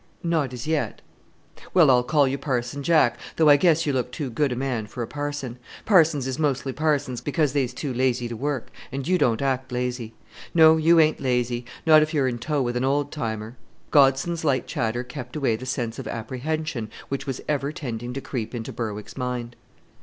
"Not as yet." "Well, I'll call you Parson Jack, though I guess you look too good a man for a parson. Parsons is mostly parsons because they're too lazy to work; and you don't act lazy. No, you ain't lazy; not if you are in tow with an old timer." Godson's light chatter kept away the sense of apprehension which was ever tending to creep into Berwick's mind.